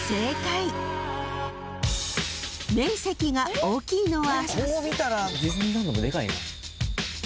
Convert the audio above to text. ［面積が大きいのは］